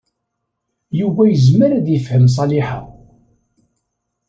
Yuba yezmer ad yefhem Ṣaliḥa.